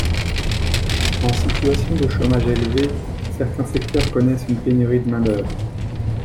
En situation de chômage élevé, certains secteurs connaissent une pénurie de main d’œuvre.